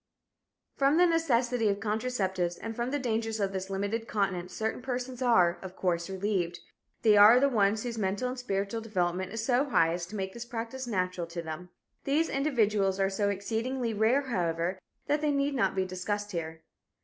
From the necessity of contraceptives and from the dangers of this limited continence certain persons are, of course, relieved. They are the ones whose mental and spiritual development is so high as to make this practice natural to them. These individuals are so exceedingly rare, however, that they need not be discussed here.